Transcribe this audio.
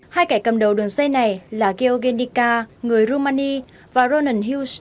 hai kẻ cầm đầu đường dây này là gheorghen dika người rumani và ronan hughes